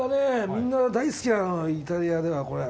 みんな大好きなのイタリアではこれ。